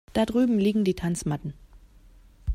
Da drüben liegen die Tanzmatten.